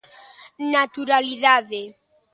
Naturalidade.